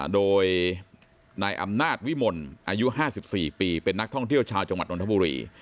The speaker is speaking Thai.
โดยนายอำนาจวิมลอายุ๕๔ปีเป็นนักท่องเที่ยวชาวจังหวัดนทบุรี